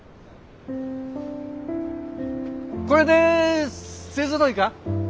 これで勢ぞろいか？